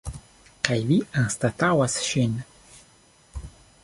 Kaj vi anstataŭas ŝin.